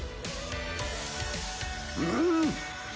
うん！